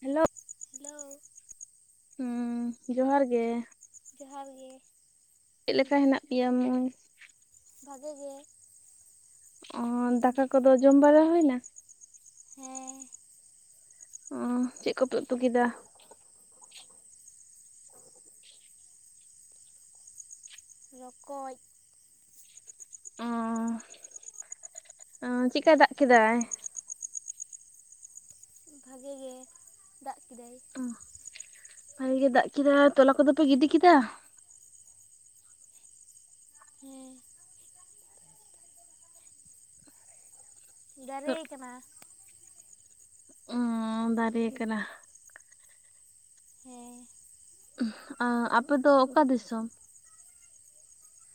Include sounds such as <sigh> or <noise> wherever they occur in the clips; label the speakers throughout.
Speaker 1: Hello
Speaker 2: hello
Speaker 1: ᱦᱩᱸ ᱡᱚᱦᱟᱨ ᱜᱮ
Speaker 2: ᱡᱚᱦᱟᱨ ᱜᱮ
Speaker 1: ᱪᱮᱫ ᱞᱮᱠᱟ ᱦᱮᱱᱟᱜ ᱯᱮᱭᱟ ᱢᱳᱸᱭ
Speaker 2: ᱵᱷᱟᱜᱮ ᱜᱮ
Speaker 1: ᱚ ᱫᱟᱠᱟ ᱠᱚᱫᱚ ᱡᱚᱢ ᱵᱟᱲᱟ ᱦᱩᱭᱱᱟ
Speaker 2: ᱦᱮᱸ
Speaker 1: ᱚ ᱪᱮᱫ ᱠᱚᱯᱮ ᱩᱛᱩ ᱠᱮᱫᱟ
Speaker 2: ᱨᱚᱠᱚᱡ
Speaker 1: ᱚᱸ ᱪᱮᱫᱠᱟᱭ ᱫᱟᱜ ᱠᱮᱫᱟᱭ
Speaker 2: ᱵᱷᱟᱜᱮ ᱜᱮ ᱫᱟᱜ ᱠᱮᱫᱟᱭ
Speaker 1: ᱚ ᱵᱷᱟᱜᱮ ᱜᱮ ᱫᱟᱜ ᱠᱮᱫᱟ ᱛᱚᱞᱟ ᱠᱚᱫᱚ ᱯᱮ ᱜᱤᱰᱤ ᱠᱮᱫᱟ
Speaker 2: ᱦᱮᱸ ᱫᱟᱨᱮ ᱠᱟᱱᱟ
Speaker 1: ᱚ ᱫᱟᱨᱮ ᱠᱟᱱᱟ
Speaker 2: ᱦᱮᱸ
Speaker 1: ᱟᱯᱮ ᱫᱚ ᱚᱠᱟ ᱫᱤᱥᱚᱢ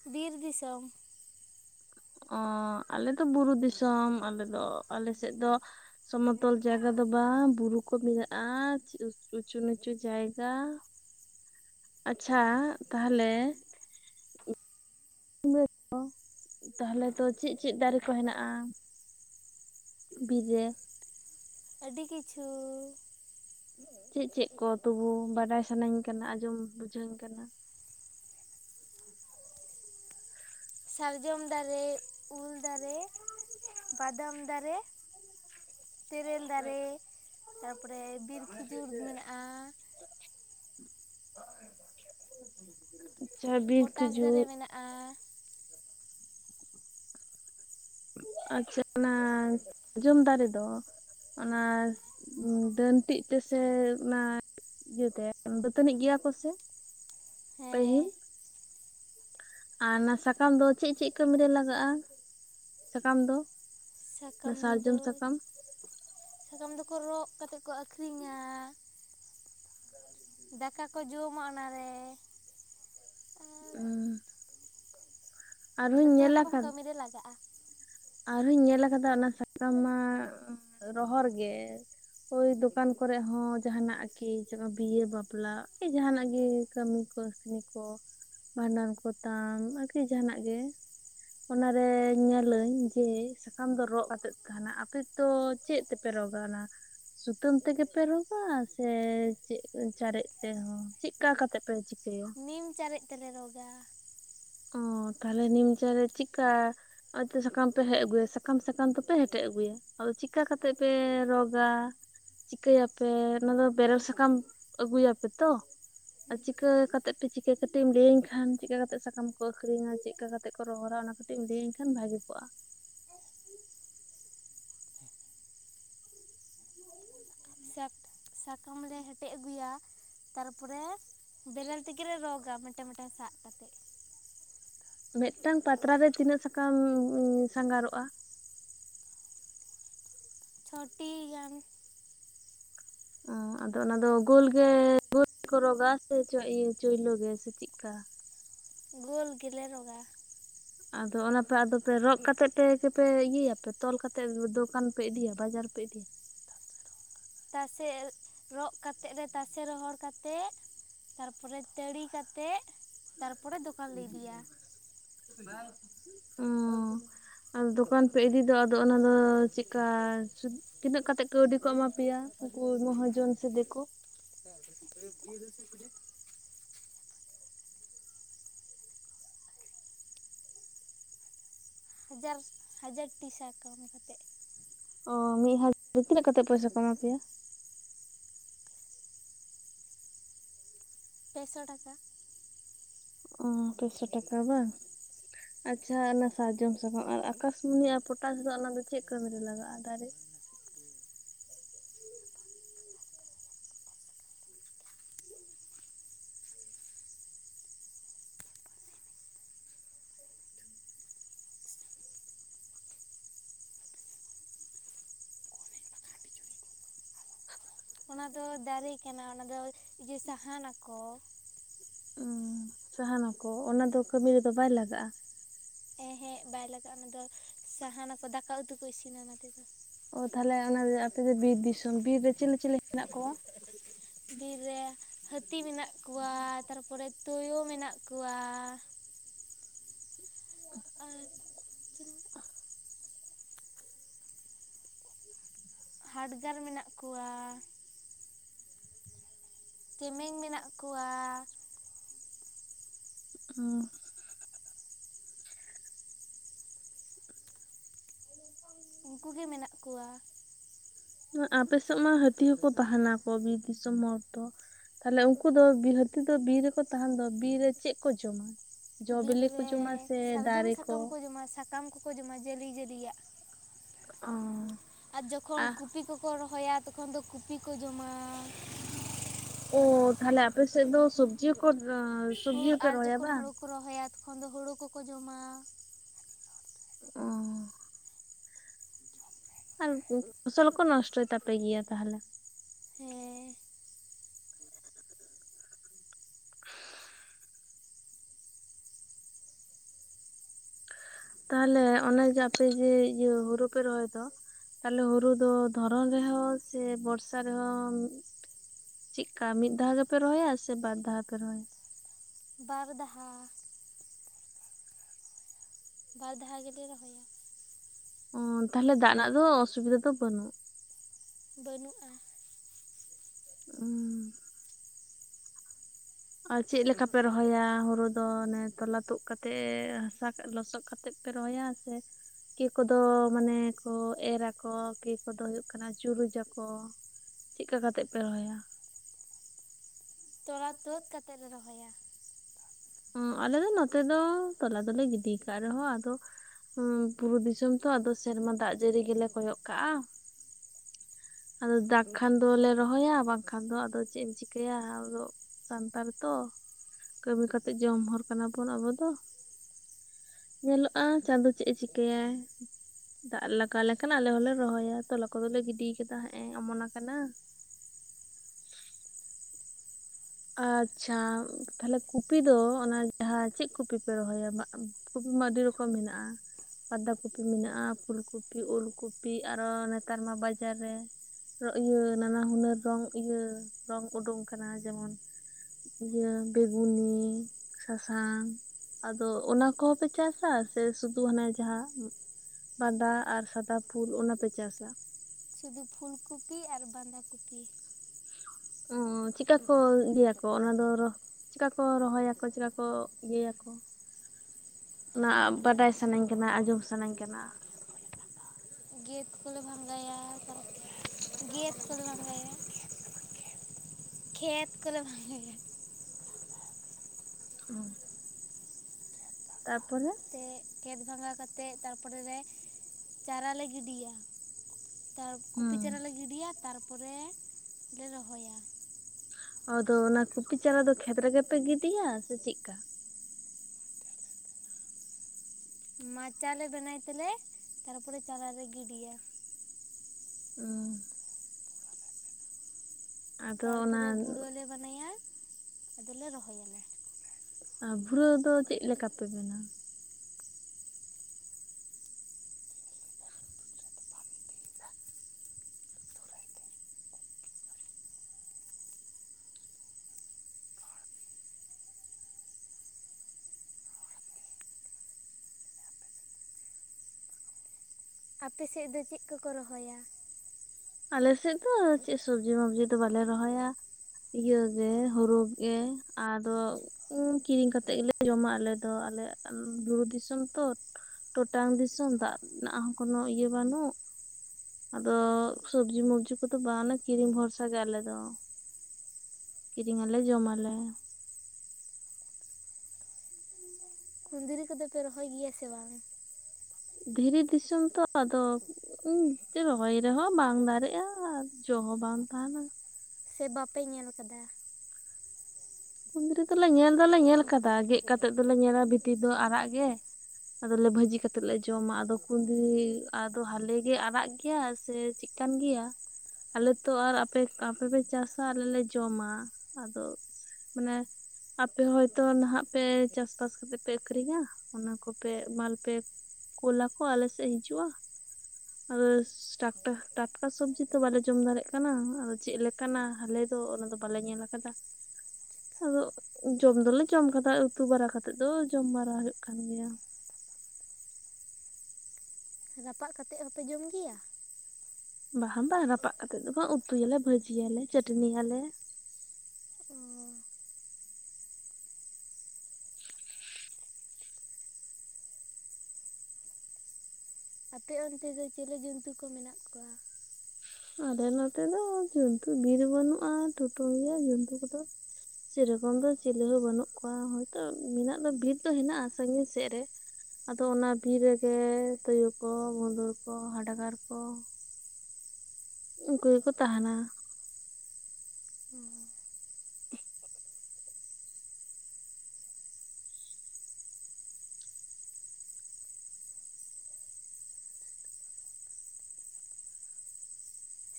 Speaker 2: ᱵᱤᱨ ᱫᱤᱥᱚᱢ,
Speaker 1: ᱚ ᱟᱞᱮ ᱫᱚ ᱵᱩᱨᱩ ᱫᱤᱥᱚᱢ ᱟᱞᱮ ᱫᱚ ᱟᱞᱮ ᱥᱮᱫ ᱫᱚ, ᱥᱚᱢᱚᱛᱚᱞ ᱡᱟᱭᱜᱟ ᱫᱚ ᱵᱟᱝ ᱵᱩᱨᱩ ᱠᱚ ᱢᱮᱱᱟᱜᱼᱟ ᱩᱪᱩ ᱱᱩᱪᱩ ᱡᱟᱭᱜᱟ,
Speaker 2: <inaudible>
Speaker 1: ᱟᱪᱪᱷᱟ ᱛᱟᱦᱚᱞᱮ <inaudible> ᱛᱟᱦᱞᱮ ᱛᱚ ᱪᱮᱫ ᱪᱮᱫ ᱫᱟᱨᱮ ᱠᱚ ᱦᱮᱱᱟᱜᱼᱟ, ᱵᱤᱨ ᱨᱮ
Speaker 2: ᱟᱹᱰᱤ ᱠᱤᱪᱷᱩ
Speaker 1: ᱪᱮᱫ ᱪᱮᱫ ᱠᱚ ᱛᱚᱵᱩ ᱵᱟᱰᱟᱭ ᱥᱟᱱᱟᱧ ᱠᱟᱱᱟ ᱟᱸᱡᱚᱢ ᱵᱩᱡᱷᱟᱹᱣᱧ ᱠᱟᱱᱟ
Speaker 2: ᱥᱟᱨᱡᱚᱢ ᱫᱟᱨᱮ ᱩᱞ ᱫᱟᱨᱮ ᱵᱟᱫᱟᱢ ᱫᱟᱨᱮ ᱛᱮᱨᱮᱞ ᱫᱟᱨᱮ ᱛᱟᱨᱯᱚᱨᱮ ᱵᱤᱨ ᱠᱷᱤᱡᱩᱨ ᱢᱮᱱᱟᱜᱼᱟ
Speaker 1: ᱡᱟᱦᱟ ᱵᱤᱨ
Speaker 2: ᱯᱚᱴᱟᱥ ᱫᱟᱨᱮ
Speaker 1: ᱠᱷᱤᱡᱩᱨ
Speaker 2: ᱢᱮᱱᱟᱜᱼᱟ
Speaker 1: ᱟᱪᱪᱷᱟ ᱚᱱᱟ ᱡᱚᱢ ᱫᱟᱨᱮ ᱫᱚ ᱚᱱᱟ ᱰᱟᱹᱱᱛᱤᱜ ᱛᱮᱥᱮ ᱚᱱᱟ ᱤᱭᱟᱹᱛᱮ ᱫᱟᱹᱛᱟᱹᱱᱤᱜ ᱜᱮᱭᱟ ᱠᱚ ᱥᱮ
Speaker 2: ᱦᱮᱸ
Speaker 1: ᱯᱟᱹᱦᱤᱞ ᱟᱨ ᱚᱱᱟ ᱥᱟᱠᱟᱢ ᱫᱚ ᱪᱮᱫ ᱪᱮᱫ ᱠᱟᱹᱢᱤ ᱨᱮ ᱞᱟᱜᱟᱜᱼᱟ ᱥᱟᱠᱟᱢ ᱫᱚ
Speaker 2: ᱥᱟᱠᱟᱢ
Speaker 1: ᱥᱟᱨᱡᱚᱢ
Speaker 2: ᱫᱚ
Speaker 1: ᱥᱟᱠᱟᱢ
Speaker 2: ᱥᱟᱠᱟᱢ ᱫᱚᱠᱚ ᱨᱚᱜ ᱠᱟᱛᱮᱫ ᱠᱚ ᱟᱹᱠᱷᱨᱤᱧᱟ ᱫᱟᱠᱟ ᱠᱚ ᱡᱚᱢᱟ ᱚᱱᱟ ᱨᱮ
Speaker 1: ᱮᱸ
Speaker 2: ᱡᱷᱚᱛᱚ ᱨᱚᱠᱚᱢ ᱠᱟᱹᱢᱤ ᱨᱮ ᱞᱟᱜᱟᱜᱼᱟ᱾
Speaker 1: ᱟᱨᱦᱚᱹᱧ ᱧᱮᱞ ᱟᱠᱟᱫᱟ, ᱚᱱᱟ ᱥᱟᱠᱟᱢ ᱢᱟ ᱨᱚᱦᱚᱨ ᱜᱮ, ᱳᱭ, ᱫᱚᱠᱟᱱ ᱠᱚᱨᱮ ᱦᱚᱸ ᱡᱟᱦᱟᱱᱟᱜ ᱠᱤ ᱵᱤᱦᱟᱹ, ᱵᱟᱯᱞᱟ ᱮᱹ ᱡᱟᱦᱟᱱᱟᱜ ᱜᱮ ᱠᱟᱹᱢᱤ ᱠᱟᱹ- -ᱥᱱᱤ ᱠᱚ, ᱵᱷᱟᱸᱰᱟᱱ ᱠᱚ ᱛᱟᱢ ᱟᱨᱠᱤ ᱡᱟᱦᱟᱱᱟᱜ ᱜᱮ, ᱚᱱᱟᱨᱮ ᱧᱮᱞᱟᱹᱧ, ᱡᱮ ᱥᱟᱠᱟᱢ ᱫᱚ ᱨᱚᱜ ᱟᱛᱮᱫ ᱛᱟᱦᱮᱱᱟ, ᱟᱯᱮ ᱛᱚ ᱪᱮᱫ ᱛᱮᱯᱮ ᱨᱚᱜᱟ ᱞᱟ ᱥᱩᱛᱟᱹᱢ ᱛᱮᱜᱮ ᱯᱮ ᱨᱚᱜᱟ ᱥᱮ ᱪᱮᱜ ᱪᱟᱨᱮᱡ ᱛᱮᱦᱚᱸ, ᱪᱮᱜ ᱠᱟ ᱠᱟᱛᱮᱫ ᱯᱮ ᱪᱤᱠᱟᱹᱭᱟ?
Speaker 2: ᱤᱢ ᱪᱟᱨᱮᱡ ᱛᱮᱞᱮ ᱨᱚᱜᱟ᱾
Speaker 1: ᱚ, ᱛᱟᱦᱚᱞᱮ ᱱᱤᱢ ᱪᱟᱨᱮᱡ ᱪᱮᱜᱠᱟ ᱚᱸᱭ ᱛᱚ ᱥᱟᱠᱟᱢ ᱯᱮ ᱦᱮᱡ ᱟᱹᱜᱩᱭᱟ, ᱥᱟᱠᱟᱢ ᱥᱟᱠᱟᱢ ᱛᱚᱯᱮ ᱦᱮᱴᱮᱡ ᱟᱹᱜᱩᱭᱟ, ᱟᱫᱚ, ᱪᱤᱠᱟ ᱠᱟᱛᱮᱜ ᱯᱮ ᱨᱚᱜᱟ? ᱪᱤᱠᱟᱹᱭᱟᱯᱮ ᱚᱱᱟ ᱫᱚ, ᱵᱮᱨᱮᱞ ᱥᱟᱠᱟᱢ ᱟᱹᱜᱩᱭᱟᱯᱮ ᱛᱚ? ᱟ ᱪᱤᱠᱟᱹ ᱠᱟᱛᱮ ᱯᱮ ᱪᱤᱠᱟᱹ, ᱠᱟᱹᱴᱤᱡ ᱮᱢ ᱞᱟᱹᱭᱟᱹᱧ ᱠᱷᱟᱱ ᱪᱤᱠᱟᱹ ᱠᱟᱛᱮ ᱥᱟᱠᱟᱢ ᱠᱚᱠᱷᱨᱤᱝᱟ, ᱪᱮᱜ ᱠᱟ ᱠᱟᱛᱮᱫ ᱠᱚ ᱨᱚᱦᱚᱲᱟ? ᱚᱱᱟ ᱠᱟᱹᱴᱤᱡ ᱮᱢ ᱞᱟᱹᱭᱟᱹᱧ ᱠᱷᱟᱱ ᱵᱷᱟᱜᱤ ᱠᱚᱜᱼᱟ᱾
Speaker 2: ᱥᱟᱠ ᱥᱟᱠᱟᱢ ᱞᱮ ᱦᱮᱴᱮᱡ ᱟᱹᱜᱩᱭᱟ, ᱛᱟᱨᱯᱚᱨᱮ- -ᱵᱮᱨᱮᱞ ᱛᱮᱜᱮᱨᱮ ᱨᱚᱜᱟ, ᱢᱮᱴᱮ ᱢᱮᱴᱮ ᱥᱟᱜ ᱠᱟ
Speaker 1: ᱢᱤᱫᱴᱟᱝ ᱯᱟᱛᱨᱟ ᱨᱮ ᱛᱤᱱᱟᱹᱜ ᱥᱟᱠᱟᱢ, ᱥᱟᱸᱜᱟᱨᱚᱜ-ᱟ?
Speaker 2: ᱪᱷᱚᱴᱤ ᱜᱟᱱ,
Speaker 1: ᱚᱸ, ᱟᱫᱚ ᱚᱱᱟᱫᱚ ᱜᱳᱞ ᱜᱮ ᱜᱳ ᱠᱚ ᱨᱚᱜᱟ <inaudible> ᱪᱚ ᱤᱭᱟᱹ ᱪᱩᱭᱞᱩ ᱜᱮ ᱥᱮ ᱪᱮᱜᱠᱟ?
Speaker 2: ᱜᱳᱞ ᱜᱮᱞᱮ ᱨᱚᱜᱟ᱾
Speaker 1: ᱟᱫᱚ ᱚᱱᱟ ᱯᱮ ᱟᱫᱚ ᱯᱮ ᱨᱚᱜ ᱠᱟᱛᱮ ᱠᱮᱯᱮ ᱤᱭᱟᱹᱭᱟᱯᱮ ᱛᱚᱞ ᱠᱟᱛᱮᱜ ᱫᱚᱠᱟᱱ ᱯᱮ ᱤᱫᱤᱭᱟ, ᱵᱟᱡᱟᱨ ᱯᱮ ᱤᱫᱤᱭᱟ?
Speaker 2: ᱛᱟᱥᱮᱜ ᱨᱚᱜ ᱠᱟᱛᱮᱜ ᱨᱮ, ᱛᱟᱥᱮ ᱨᱚᱦᱚᱲ ᱠᱟᱛᱮᱜ, ᱛᱟᱨᱯᱚᱨᱮ ᱛᱟᱹᱲᱤ ᱠᱟᱛᱮᱜ,
Speaker 1: ᱩᱸ ᱚᱸ, ᱟ ᱫᱚᱠᱟᱱ ᱯᱮ ᱤᱫᱤ ᱫᱚ, ᱟᱫᱚ ᱚᱱᱟᱫᱚ ᱪᱮᱜᱠᱟ <inaudible> ᱛᱤᱱᱟᱹᱜ ᱠᱟᱛᱮᱜ ᱠᱟᱹᱣᱰᱤ ᱠᱚ ᱮᱢᱟ ᱯᱮᱭᱟ, ᱩᱱᱠᱩ ᱢᱚᱦᱟᱡᱚᱱ ᱥᱮ ᱫᱤᱠᱩ?
Speaker 2: ᱪ <inaudible> ᱦᱟᱡᱟᱨ, ᱦᱟᱡᱟᱨ ᱴᱤ ᱥᱟᱠᱟᱢ ᱠᱟᱛᱮᱫ,
Speaker 1: ᱚ ᱢᱤᱫ ᱦᱟᱡ <unintelligible> ᱛᱤᱱᱟᱹᱜ ᱠᱟᱛᱮ ᱯᱚᱭᱥᱟᱹ ᱠᱚ ᱮᱢᱟ ᱯᱮᱭᱟ?
Speaker 2: ᱯᱮᱥᱚ ᱴᱟᱠᱟ,
Speaker 1: ᱚ, ᱯᱮᱥᱚ ᱴᱟᱠᱟ ᱵᱟᱝ, ᱟᱪᱪᱷᱟ ᱟᱱᱟ ᱥᱟᱨᱡᱚᱢ ᱥᱟᱠᱟᱢ ᱟᱨ ᱟᱠᱟᱥᱢᱩᱱᱤ ᱟᱨ ᱯᱚᱴᱟᱥ ᱫᱚ ᱚᱱᱟ ᱫᱚ ᱪᱮᱫ ᱠᱟᱹᱢᱤ ᱨᱮ ᱞᱟᱜᱟᱜ-ᱟ, ᱫᱟᱨᱮ?
Speaker 2: ᱚᱱᱟ ᱫᱚ ᱫᱟᱨᱮᱹ ᱠᱟᱱᱟ, ᱚᱱᱟ ᱫᱚ ᱤᱭᱟᱹ ᱥᱟᱦᱟᱱᱟ ᱠᱚ,
Speaker 1: ᱚ ᱥᱟᱦᱟᱱᱟᱠᱚ, ᱚᱱᱟ ᱫᱚ ᱠᱟᱹᱢᱤ ᱨᱮᱫᱚ ᱵᱟᱭ ᱞᱟᱜᱟᱜ-ᱟ?
Speaker 2: ᱮᱸ ᱦᱮᱸᱜ ᱵᱟᱭ ᱞᱟᱜᱟᱜ-ᱟ ᱚᱱᱟ ᱫᱚ, ᱥᱟᱦᱟᱱᱟᱠᱚ, ᱫᱟᱠᱟ ᱩᱛᱩ ᱠᱚ ᱤᱥᱤᱱᱟ ᱚᱱᱟᱛᱮ ᱫᱚ᱾
Speaker 1: ᱚ, ᱛᱟᱦᱚᱞᱮ ᱚᱱᱟ ᱡᱮ, ᱟᱯᱮ ᱡᱮ ᱵᱤᱨ ᱫᱤᱥᱚᱢ, ᱵᱤᱨ ᱨᱮ ᱪᱤᱞᱤ ᱪᱤᱞᱤ ᱦᱮᱱᱟᱜ ᱠᱚᱣᱟ?
Speaker 2: ᱵᱤᱨ ᱨᱮ ᱦᱟᱹᱛᱤ ᱢᱮᱱᱟᱜ ᱠᱚᱣᱟ, ᱛᱟᱨᱯᱚᱨᱮ ᱛᱳᱭᱳ ᱢᱮᱱᱟᱜ ᱠᱚᱣᱟ, ᱟᱨ ᱛᱤᱱᱟᱹᱜ <inaudible> ᱦᱟᱰᱜᱟᱨ ᱢᱮᱱᱟᱜ ᱠᱚᱣᱟ, ᱪᱮᱢᱮᱧ ᱢᱮᱱᱟᱜ ᱠᱚᱣᱟ,
Speaker 1: ᱚᱸ,
Speaker 2: ᱩᱱᱠᱩ ᱜᱮ ᱢᱮᱱᱟᱜ ᱠᱚᱣᱟ᱾
Speaker 1: ᱢᱟ ᱟᱯᱮ ᱥᱮᱜ ᱢᱟ ᱦᱟᱹᱛᱤ ᱠᱚ ᱛᱟᱦᱮᱱᱟ ᱠᱚ, ᱵᱤᱨ ᱫᱤᱥᱚᱢ ᱦᱚᱲ ᱫᱚ, ᱛᱟᱦᱚᱞᱮ ᱩᱱᱠᱩ ᱫᱚ, ᱵᱤᱨ ᱦᱟᱹᱛᱤ ᱫᱚ, ᱵᱤᱨ ᱨᱮᱠᱚ ᱛᱟᱦᱮᱱ ᱫᱚ, ᱵᱤᱨ ᱨᱮ ᱪᱮᱫ ᱠᱚ ᱡᱚᱢᱟ? ᱡᱚ
Speaker 2: ᱵᱤᱨ
Speaker 1: ᱵᱤᱞᱤ ᱠᱚ ᱡᱚᱢᱟ
Speaker 2: ᱨᱮ
Speaker 1: ᱥᱮ
Speaker 2: ᱥᱟᱨᱡᱚᱢ
Speaker 1: ᱫᱟᱨᱮ
Speaker 2: ᱥᱟᱠᱟᱢ ᱠᱚ ᱡᱚᱢᱟ, ᱥᱟᱠᱟᱢ ᱠᱚᱠᱚ ᱡᱚᱢᱟ ᱡᱟᱹᱞᱤ ᱡᱟᱹᱞᱤᱭᱟᱜ,
Speaker 1: ᱚᱸ,
Speaker 2: ᱟ ᱡᱚᱠᱷᱚᱱ ᱠᱩᱯᱤ ᱠᱚᱠᱚ ᱨᱚᱦᱚᱭᱟ, ᱛᱚᱠᱷᱚᱱ ᱫᱚ ᱠᱩᱯᱤ ᱠᱚ ᱡᱚᱢᱟ,
Speaker 1: ᱳ ᱛᱟᱦᱞᱮ ᱟᱯᱮ ᱥᱮᱫ ᱫᱚ ᱥᱚᱵᱽᱡᱤ ᱦᱚᱠᱚ ᱜᱚᱸ ᱥᱚᱵᱡᱤ ᱦᱚᱯᱮ ᱨᱚᱦᱚᱭᱟ ᱵᱟᱝ,
Speaker 2: ᱨᱚᱦᱚᱮᱫ <unintelligible> ᱮᱠᱷᱚᱱ ᱫᱚ ᱦᱳᱲᱳ ᱠᱚᱠᱚ ᱡᱚᱢᱟ,
Speaker 1: ᱚᱻ ᱟᱨ ᱯᱷᱚᱥᱚᱞ ᱠᱚ ᱱᱚᱥᱴᱚᱭ ᱛᱟᱯᱮᱜ ᱜᱮᱭᱟ ᱛᱟᱦᱚᱞᱮ?
Speaker 2: ᱦᱮᱸ
Speaker 1: ᱛᱟᱦᱚᱞᱮ ᱚᱱᱮ ᱡᱮ ᱟᱯᱮ ᱡᱮ ᱤᱭᱟᱹ ᱦᱩᱲᱩ ᱯᱮ ᱨᱚᱦᱚᱭ ᱫᱚ ᱛᱟᱦᱚᱞᱮ ᱦᱩᱲᱩ ᱫᱚ ᱫᱷᱚᱨᱚᱱ ᱨᱮᱦᱚᱸ ᱥᱮ ᱵᱚᱨᱥᱟ ᱨᱮᱦᱚᱸ ᱪᱮᱫ ᱠᱟ ᱢᱤᱫ ᱫᱷᱟᱣ ᱜᱮᱯᱮ ᱨᱚᱦᱚᱭᱟ ᱥᱮ ᱵᱟᱨ ᱫᱷᱟᱣ ᱯᱮ ᱨᱚᱦᱚᱭᱟ?
Speaker 2: ᱵᱟᱨ ᱫᱷᱟ ᱵᱟᱨ ᱫᱷᱟ ᱜᱮᱞᱮ ᱨᱚᱦᱚᱭᱟ᱾
Speaker 1: ᱚ ᱛᱟᱦᱚᱞᱮ ᱫᱟᱜ ᱨᱮᱱᱟᱜ ᱫᱚ ᱚᱥᱩᱵᱤᱫᱟ ᱫᱚ ᱵᱟᱹᱱᱩᱜ?
Speaker 2: ᱵᱟᱹᱱᱩᱜ-ᱟ᱾
Speaker 1: ᱩᱸᱻ ᱟᱨ ᱪᱮᱫ ᱞᱮᱠᱟ ᱯᱮ ᱨᱚᱦᱚᱭᱟ ᱦᱩᱲᱩ ᱫᱚ ᱚᱱᱮ ᱛᱚᱞᱟ ᱛᱩᱫ ᱠᱟᱛᱮᱫ ᱦᱟᱥᱟ ᱞᱚᱥᱚᱫ ᱠᱟᱛᱮᱫ ᱯᱮ ᱨᱚᱦᱚᱭᱟ ᱥᱮ ᱠᱮᱣ ᱠᱚᱫᱚ ᱢᱟᱱᱮ ᱠᱚ ᱮᱨ ᱟᱠᱚ ᱠᱮᱣ ᱠᱚᱫᱚ ᱦᱩᱭᱩᱜ ᱠᱟᱱᱟ ᱪᱩᱨᱩᱡᱟ ᱠᱚ ᱪᱮᱫᱠᱟ ᱠᱟᱛᱮᱜ ᱯᱮ ᱨᱚᱦᱚᱭᱟ?
Speaker 2: ᱛᱚᱲᱟ ᱛᱳᱫ ᱠᱟᱛᱮ ᱞᱮ ᱨᱚᱦᱚᱭᱟ᱾
Speaker 1: ᱚ ᱟᱞᱮ ᱫᱚ ᱱᱚᱛᱮ ᱫᱚ ᱛᱚᱞᱟ ᱫᱚᱞᱮ ᱜᱤᱰᱤ ᱠᱟᱫ ᱨᱮᱦᱚᱸ ᱟᱫᱚ ᱵᱩᱨᱩ ᱫᱤᱥᱚᱢ ᱛᱚ ᱟᱫᱚ ᱥᱮᱨᱢᱟ ᱫᱟᱜ ᱡᱟᱹᱲᱤ ᱜᱮᱞᱮ ᱠᱚᱭᱚᱜ ᱠᱟᱜᱼᱟ ᱟᱫᱚ ᱫᱟᱜ ᱠᱷᱟᱱ ᱫᱚᱞᱮ ᱨᱚᱦᱚᱭᱟ ᱵᱟᱝᱠᱷᱟᱱ ᱫᱚ ᱟᱫᱚ ᱪᱮᱫ ᱮᱢ ᱪᱤᱠᱟᱭᱟ ᱟᱫᱚ ᱥᱟᱱᱛᱟᱲ ᱛᱚ ᱠᱟᱹᱢᱤ ᱠᱟᱛᱮᱜ ᱡᱚᱢ ᱦᱚᱲ ᱠᱟᱱᱟᱵᱚᱱ ᱟᱵᱚ ᱫᱚ ᱧᱮᱞᱚᱜᱼᱟ ᱪᱟᱸᱫᱳ ᱪᱮᱫ ᱮ ᱪᱤᱠᱟᱭᱟ ᱫᱟᱜ ᱮ ᱞᱟᱜᱟᱣ ᱞᱮᱠᱷᱟᱱ ᱟᱞᱮ ᱦᱚᱞᱮ ᱨᱚᱦᱚᱭᱟ ᱛᱚᱞᱟ ᱠᱚ ᱫᱚᱞᱮ ᱜᱤᱰᱤ ᱟᱠᱟᱫᱟ ᱦᱮᱸᱜ ᱮᱸ ᱚᱢᱚᱱ ᱟᱠᱟᱱᱟ, ᱟᱪᱪᱷᱟ ᱛᱟᱦᱞᱮ ᱠᱩᱯᱤ ᱫᱚ ᱚᱱᱟ ᱡᱟᱦᱟᱸ ᱪᱮᱫ ᱠᱩᱯᱤ ᱯᱮ ᱨᱚᱦᱚᱭᱟ? ᱠᱩᱯᱤ ᱢᱟ ᱟᱹᱰᱤ ᱨᱚᱠᱚᱢ ᱢᱮᱱᱟᱜᱼᱟ, ᱵᱟᱸᱫᱟ ᱠᱩᱯᱤ ᱢᱮᱱᱟᱜᱼᱟ ᱯᱷᱩᱞ ᱠᱩᱯᱤ ᱩᱞ ᱠᱩᱯᱤ ᱟᱨᱚ ᱱᱮᱛᱟᱨ ᱢᱟ ᱵᱟᱡᱟᱨ ᱨᱮ ᱤᱭᱟᱹ ᱱᱟᱱᱟᱦᱩᱱᱟᱹᱨ ᱨᱚᱝ ᱤᱭᱟᱹ ᱨᱚᱝ ᱩᱰᱩᱝ ᱠᱟᱱᱟ, ᱡᱮᱢᱚᱱ ᱤᱭᱟᱹ ᱵᱮᱜᱩᱱᱩᱱᱤ, ᱥᱟᱥᱟᱝ ᱟᱫᱚ ᱚᱱᱟ ᱠᱚᱦᱚ ᱯᱮ ᱪᱟᱥᱟ ᱥᱮ ᱥᱩᱫᱷᱩ ᱦᱟᱱᱮ ᱡᱟᱦᱟᱸ ᱵᱟᱫᱟ ᱟᱨ ᱥᱟᱫᱟ ᱯᱷᱩᱞ ᱚᱱᱟᱯᱮ ᱪᱟᱥᱟ?
Speaker 2: ᱥᱩᱫᱩ ᱯᱷᱩᱞ ᱠᱩᱯᱤ ᱟᱨ ᱵᱟᱸᱫᱷᱟ ᱠᱩᱯᱤ᱾
Speaker 1: ᱚ ᱪᱮᱫᱠᱟ ᱠᱚ ᱤᱭᱟᱹ ᱠᱚ ᱚᱱᱟ ᱫᱚ ᱨᱚ ᱪᱤᱠᱟᱹ ᱠᱚ ᱨᱚᱦᱚᱭᱟᱠᱚ ᱪᱤᱠᱟᱹ ᱠᱚ ᱤᱭᱟᱹᱭᱟᱠᱚ? ᱚᱱᱟ ᱵᱟᱰᱟᱭ ᱥᱟᱱᱟᱧ ᱠᱟᱱᱟ ᱟᱸᱡᱚᱢ ᱥᱟᱱᱟᱧ ᱠᱟᱱᱟ᱾
Speaker 2: ᱜᱮᱫ ᱠᱚᱞᱮ ᱵᱷᱟᱸᱜᱟᱭᱟ ᱜᱮᱫ ᱠᱚᱞᱮ ᱵᱷᱟᱸᱜᱟᱭᱟ ᱠᱷᱮᱛ ᱠᱚᱞ ᱵᱷᱟᱸᱜᱟᱭᱟ
Speaker 1: ᱩᱸ᱾ ᱛᱟᱯᱚᱨᱮ?
Speaker 2: ᱛᱮ ᱠᱷᱮᱛ ᱵᱷᱟᱸᱜᱟᱣ ᱠᱟᱛᱮᱫ ᱛᱟᱨᱯᱚᱨᱮ ᱞᱮ ᱪᱟᱨᱟ ᱞᱮ ᱜᱤᱰᱤᱭᱟ, ᱛᱟᱨ ᱠᱩᱯᱤ
Speaker 1: ᱦᱩᱸ
Speaker 2: ᱪᱟᱨᱟ ᱞᱮ ᱜᱤᱰᱤᱭᱟ ᱛᱟᱨᱯᱚᱨᱮ ᱞᱮ ᱨᱚᱦᱚᱭᱟ᱾
Speaker 1: ᱟᱫᱚ ᱚᱱᱟ ᱠᱩᱯᱤ ᱪᱟᱨᱟ ᱫᱚ ᱠᱷᱮᱛ ᱨᱮᱜᱮᱯᱮ ᱜᱤᱰᱤᱭᱟ ᱥᱮ ᱪᱤᱫᱠᱟ?
Speaker 2: ᱢᱟᱪᱟ ᱞᱮ ᱵᱮᱱᱟᱣ ᱛᱮᱞᱮ ᱛᱟᱨᱯᱚᱨᱮ ᱪᱟᱨᱟ ᱞᱮ ᱜᱤᱰᱤᱭᱟ᱾
Speaker 1: ᱚᱻ ᱟᱫᱚ ᱚᱱᱟ
Speaker 2: ᱛᱟᱨᱯᱚᱨᱮ ᱵᱷᱩᱲᱟᱹ ᱞᱮ ᱵᱟᱱᱟᱭᱟ ᱟᱫᱚᱞᱮ ᱨᱚᱦᱚᱭᱟᱞᱮ᱾
Speaker 1: ᱟ ᱵᱷᱩᱨᱟᱹ ᱫᱚ ᱪᱮᱫ ᱞᱮᱠᱟᱯᱮ ᱵᱮᱱᱟᱣ ᱟ?
Speaker 2: ᱟᱯᱮᱥᱮᱫ ᱫᱚ ᱪᱮᱫ ᱠᱚᱠᱚ ᱨᱚᱦᱚᱭᱟ?
Speaker 1: ᱟᱞᱮᱥᱮᱫ ᱫᱚ ᱪᱮᱫ ᱥᱚᱵᱡᱤ ᱢᱚᱵᱡᱤ ᱫᱚ ᱵᱟᱞᱮ ᱨᱚᱦᱚᱭᱟ, ᱤᱭᱟᱹ ᱜᱮ ᱦᱚᱨᱩ ᱜᱮ ᱟᱫᱚ ᱩᱱ ᱠᱤᱨᱤᱧ ᱠᱟᱛᱮᱜ ᱜᱮᱞᱮ ᱡᱚᱢᱟ ᱟᱞᱮ ᱫᱚ ᱟᱞᱮ ᱵᱩᱨᱩ ᱫᱤᱥᱚᱢ ᱛᱚ ᱴᱚᱴᱟᱝ ᱫᱤᱥᱚᱢ ᱫᱟᱜ ᱨᱮᱱᱟᱜ ᱦᱚᱸ ᱠᱳᱱᱚ ᱤᱭᱟᱹ ᱵᱟᱹᱱᱩᱜ, ᱟᱫᱚ ᱥᱚᱵᱽᱡᱤ ᱢᱚᱵᱡᱤ ᱠᱚᱫᱚ ᱵᱟᱝ ᱚᱱᱮ ᱠᱤᱨᱤᱧ ᱵᱷᱚᱨᱥᱟ ᱜᱮ ᱟᱞᱮ ᱫᱚ᱾ ᱠᱤᱨᱤᱧ ᱟᱞᱮ ᱡᱚᱢᱟᱞᱮ
Speaker 2: ᱠᱷᱩᱱᱫᱽᱨᱤ ᱠᱚ-ᱫᱚ ᱯᱮ ᱨᱚᱦᱚᱭ ᱜᱮᱭᱟ ᱥᱮ ᱵᱟᱝ?
Speaker 1: ᱫᱷᱤᱨᱤ ᱫᱤᱥᱚᱢ ᱛᱚ ᱟᱫᱚ ᱩ ᱨᱚᱦᱚᱭ ᱨᱮᱦᱚᱸ ᱵᱟᱝ ᱫᱟᱨᱮᱜᱼᱟ᱾ ᱟᱨ ᱡᱚ ᱦᱚᱸ ᱵᱟᱝ ᱛᱟᱦᱮᱱᱟ᱾
Speaker 2: ᱥᱮ ᱵᱟᱯᱮ ᱧᱮᱞ ᱟᱠᱟᱫᱟ?
Speaker 1: ᱠᱩᱱᱫᱽᱨᱤ ᱫᱚᱞᱮ ᱧᱮᱞ ᱫᱚᱞᱮ ᱧᱮᱞ ᱟᱠᱟᱫᱟ᱾ ᱜᱮᱫ ᱠᱟᱛᱮᱜ ᱫᱚᱞᱮ ᱧᱮᱞᱟ ᱵᱷᱤᱛ ᱫᱚ ᱟᱨᱟᱜ ᱜᱮ ᱟᱫᱚᱞᱮ ᱵᱷᱟᱹᱡᱤ ᱠᱟ ᱠᱟᱛᱮᱫ ᱞᱮ ᱡᱚᱢᱟ᱾ ᱟᱫᱚ ᱠᱩᱱᱫᱽᱨᱤ ᱟᱫᱚ ᱦᱟᱞᱮ ᱜᱮ ᱟᱨᱟᱜ ᱜᱮᱭᱟ ᱥᱮ ᱠᱟᱱ ᱜᱮᱭᱟ ᱟᱞᱮ ᱛᱚ ᱟᱨ ᱟᱯᱮ ᱟᱯᱮᱯᱮ ᱪᱟᱥᱟ᱾ ᱟᱞᱮ ᱡᱚᱢᱟ ᱟᱫᱚ ᱢᱟᱱᱮ ᱟᱯᱮ ᱦᱚᱭᱛᱚ ᱱᱟᱦᱟᱜ ᱯᱮ ᱪᱟᱥ-ᱵᱟᱥ ᱠᱟᱛᱮᱜ ᱯᱮ ᱟᱹᱠᱷᱨᱤᱧᱟ᱾ ᱚᱱᱟ ᱠᱚᱯᱮ ᱢᱟᱞ ᱞᱯᱮ ᱠᱩᱞᱟ ᱠᱚ ᱟᱞᱮ ᱥᱮᱫ ᱦᱤᱡᱩᱜᱼᱟ᱾ ᱨᱳᱥ ᱴᱟ ᱴᱟᱴᱠᱟ ᱥᱚᱵᱽᱡᱤ ᱛᱚ ᱵᱟᱞᱮ ᱡᱚᱢ ᱫᱟᱲᱮᱭᱟᱜ ᱠᱟᱱᱟ᱾ ᱟᱫᱚ ᱪᱮᱫ ᱞᱮᱠᱟᱱᱟ ᱟᱞᱮ ᱫᱚ ᱚᱱᱟ ᱫᱚ ᱵᱟᱞᱮ ᱧᱮᱞ ᱟᱠ ᱠᱟᱫᱟ ᱟᱫᱚ ᱡᱚᱢ ᱫᱚᱞᱮ ᱡᱚᱢ ᱠᱟᱫᱟ ᱩᱛᱩ ᱵᱟᱲᱟ ᱠᱟᱛᱮᱜ ᱫᱚ, ᱡᱚᱢ ᱵᱟᱲᱟᱟ ᱦᱩᱭᱩᱜ ᱠᱟᱱ ᱜᱮᱭᱟ᱾
Speaker 2: ᱨᱟᱯᱟᱜ ᱠᱟᱛᱮᱮᱫ ᱦᱚᱯᱮ ᱡᱚᱢ ᱜᱮᱭᱟ?
Speaker 1: ᱵᱟᱦᱟ ᱵᱟ ᱨᱟᱯᱟᱜ ᱠᱟᱛᱮᱮᱫ ᱫᱚ ᱵᱟᱝ, ᱩᱛᱩᱭᱟᱞᱮ, ᱵᱷᱟᱹᱡᱤᱭᱟᱟᱞᱮ, ᱪᱟᱹᱴᱱᱤᱭᱟᱞᱮ
Speaker 2: ᱚ <inaudible> ᱟᱯᱮ ᱚᱱᱛᱮ ᱫᱚ ᱪᱤᱞᱤ ᱡᱚᱱᱛᱩ ᱠᱚ ᱢᱮᱱᱟᱜ ᱠᱚᱣᱟ?
Speaker 1: ᱟᱞᱮ ᱱᱚᱛᱮ ᱫᱚ ᱡᱚᱱᱛᱩ ᱵᱤᱨ ᱵᱟᱹᱱᱩᱜᱼᱟ᱾ ᱴᱳᱴᱳ ᱜᱮᱭᱟ ᱡᱚᱱᱛᱩ ᱠᱚᱫᱚ ᱥᱮᱨᱚᱠᱚᱢ ᱫᱚ ᱪᱤᱞᱟᱹ ᱦᱚᱸ ᱵᱟᱹᱱᱩᱜ ᱠᱚᱣ‌ᱟ᱾ ᱦᱭᱛᱳ ᱢᱮᱱᱟᱜ ᱫᱚ ᱵᱷ ᱫᱚ ᱦᱮᱱᱟᱜᱼᱟ ᱥᱟᱜᱤᱧ ᱥᱮᱫ ᱨᱮ ᱟᱫᱚ ᱚᱱᱟ ᱵᱤᱨ ᱨᱮᱜᱮ ᱛᱩᱭᱩ ᱠᱚ, ᱵᱷᱳᱸᱫᱟᱹᱲ ᱠᱚ, ᱦᱟᱰᱜᱟᱨ ᱠᱚ ᱩᱱᱠᱩ ᱜᱮᱠᱚ ᱛᱟᱦᱮᱱᱟ᱾
Speaker 2: <inaudible>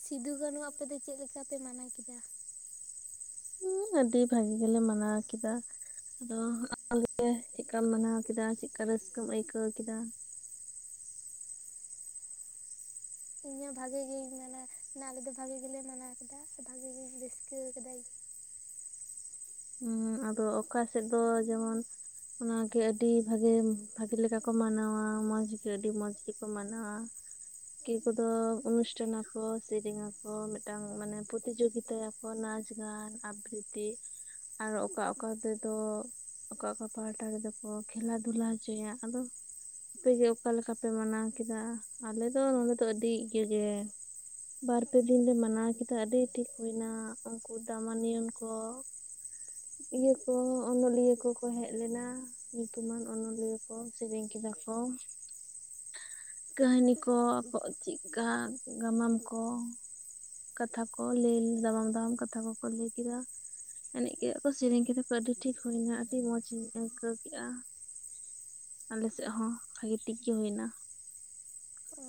Speaker 2: ᱥᱤᱫᱩ - ᱠᱟᱹᱱᱩ ᱟᱯᱮ ᱫᱚ ᱪᱮᱫ ᱞᱮᱠᱟ ᱯᱮ ᱢᱟᱱᱟᱣ ᱠᱮᱫᱟ?
Speaker 1: ᱟᱹᱰᱤ ᱵᱷᱟᱜᱤ ᱜᱮᱞᱮ ᱢᱟᱱᱟᱣ ᱠᱮᱫᱟ᱾ ᱟᱫᱚ ᱟᱮ ᱪᱮᱫᱠᱟᱢ ᱢᱟᱱᱟᱣ ᱠᱮᱫᱟ᱾ ᱪᱮᱫ ᱨᱟᱹᱥᱠᱟᱹᱢ ᱟᱹᱭᱠᱟᱹᱣ ᱠᱮᱫᱟ᱾
Speaker 2: ᱤᱧ ᱦᱚᱸ ᱵᱷᱟᱜᱮ ᱜᱤᱧ ᱢᱟᱱᱮ, ᱟᱞᱮ ᱫᱚ ᱵᱷᱟᱜᱮ ᱜᱮᱞᱮ ᱢᱟᱱᱟᱣ ᱠᱮᱫᱟ᱾ ᱥᱮ ᱵᱷᱟᱜᱮ ᱜᱤᱧ ᱨᱟᱹᱥᱠᱟᱹᱣ ᱠᱟᱫᱟ᱾
Speaker 1: ᱦᱮᱸ ᱟᱫᱚ ᱚᱠᱟ ᱥᱮᱫ ᱫᱚ ᱡᱮᱢᱚᱱ ᱚᱱᱟᱜᱮ ᱟᱹᱰᱤ ᱵᱷᱟᱜᱮ ᱵᱷᱟᱜᱮ ᱞᱮᱠᱟ ᱠᱚ ᱢᱟᱱᱟᱣᱟ᱾ ᱢᱚᱸᱡᱽ ᱜᱮ ᱟᱹᱰᱤ ᱢᱚᱸᱡᱽ ᱜᱮᱠᱚ ᱢᱟᱱᱟᱣᱟ᱾ ᱠᱮ ᱠᱚᱫᱚ ᱚᱱᱩᱥᱴᱷᱟᱱ ᱟᱠᱚ, ᱥᱮᱨᱮᱧ ᱟᱠᱚ, ᱢᱤᱫᱴᱟᱝ ᱢᱟᱱᱮ ᱯᱨᱚᱛᱤᱤᱡᱳᱜᱤᱛᱟᱠᱚ ᱚᱱᱟᱪ ᱜᱟᱨ ᱟᱵᱨᱤᱛᱤ ᱟᱨ ᱚᱠᱟ ᱚᱠᱟ ᱛᱮᱫᱚ ᱚᱠᱟ ᱚᱠᱟ ᱯᱟᱦᱴᱟ ᱨᱮᱫᱚ ᱠᱚ ᱠᱷᱮᱞᱟ ᱫᱷᱩᱞᱟ ᱦᱚᱪᱚᱭᱟ ᱟᱫᱚ ᱟᱯᱮᱜᱮ ᱚᱠᱟ ᱞᱮᱠᱟᱯᱮ ᱢᱟᱱᱟᱣ ᱠᱮᱫᱟ᱾ ᱟᱞᱮᱚ ᱱᱚᱰᱮ ᱫᱚ ᱟᱹᱰᱤ ᱤᱭᱟᱹᱟᱹᱜ ᱜᱮ ᱵᱟᱨ ᱯᱮ ᱫᱤᱱ ᱞᱮ ᱢᱟᱱᱟᱣ ᱠᱮᱫᱟ᱾ ᱟᱹᱰᱤ ᱴᱷᱤᱠ ᱦᱩᱭ ᱮᱱᱟ᱾ ᱩᱱᱠᱩ ᱫᱟᱢᱟ ᱱᱤᱭᱚᱱ ᱠᱚ ᱤᱭᱟᱹ ᱠᱚ ᱚᱱᱚᱞᱤᱭᱟᱹ ᱠᱚᱠᱚ ᱦᱮᱡ ᱞᱮᱱᱟ᱾ ᱧᱩᱛᱩᱢᱟᱱ ᱚᱱᱚᱞᱤᱭᱟᱹ ᱠᱚ ᱥᱮᱨᱮᱧ ᱠᱮᱫᱟ ᱠᱚ ᱠᱟᱹᱦᱱᱤ ᱠᱚ ᱟᱠ ᱪᱮᱫᱠᱟ ᱜᱟᱢᱟᱢ ᱠᱚ ᱠᱟᱛᱷᱟ ᱠᱚ ᱞᱟᱹᱭ ᱫᱟᱢᱟᱝ ᱫᱟᱢᱟᱢ ᱠᱟᱛᱷᱟ ᱠᱚᱠᱚ ᱞᱟᱹᱭ ᱠᱮᱫᱟ᱾ ᱮᱱᱮᱡ ᱠᱮᱫᱟ ᱠᱚ, ᱥᱮᱨᱮᱧ ᱠᱮᱫᱟ ᱠᱚ, ᱟᱹᱰᱤ ᱴᱷᱤᱠ ᱦᱩᱭᱱᱟ ᱟᱹᱰᱤ ᱢᱚᱡᱽ ᱤᱧ ᱟᱹᱭᱠᱟᱹᱣ ᱠᱮᱫᱼᱟ᱾ ᱟᱞᱮ ᱥᱮᱫ ᱦᱚᱸ ᱵᱷᱟᱜᱤ ᱴᱷᱤᱠ ᱜᱮ ᱦᱩᱭᱮᱱᱟ᱾
Speaker 2: ᱚ